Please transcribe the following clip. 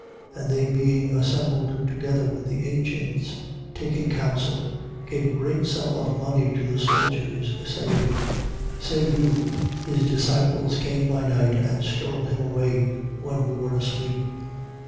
28:12. And they being assembled together with the ancients, taking counsel, gave a great sum of money to the soldiers, 28:13. Saying: Say you, His disciples came by night and stole him away when we were asleep.